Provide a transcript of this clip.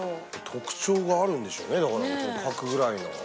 特徴があるんでしょうねだから描くぐらいの。